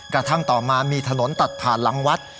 กระทั่งต่อมามีถนนตัดผ่านหลังวัด